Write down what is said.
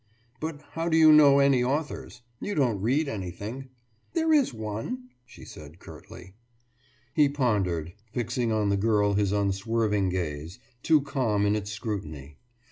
»But how do you know any authors? You don't read anything.« »There is one ...« she said curtly. He pondered, fixing on the girl his unswerving gaze, too calm in its scrutiny.